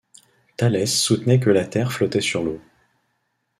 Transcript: Thalès soutenait que la Terre flottait sur l'eau.